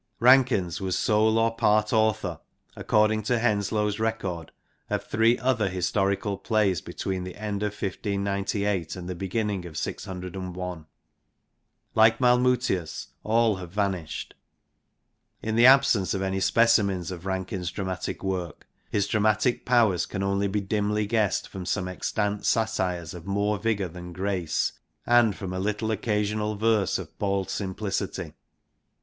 Rankins was sole or part author, according to Henslowe's record, of three other historical plays between the end of 1 598 and the beginning of 1601. Like Malmutius^ all have vanished. In the absence of any specimen of Rankins' dramatic work, his dramatic powers can only be dimly guessed from some extant satires of more vigour than grace, and from a little occasional verse of bald simplicity.